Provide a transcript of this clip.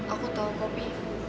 aku tau kopi